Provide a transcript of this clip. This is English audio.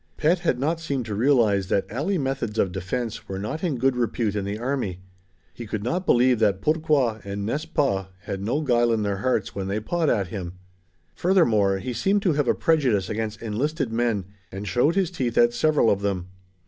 Pet had not seemed to realize that alley methods of defense were not in good repute in the army. He could not believe that Pourquoi and N'est ce pas had no guile in their hearts when they pawed at him. Furthermore, he seemed to have a prejudice against enlisted men and showed his teeth at several of them.